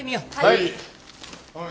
はい。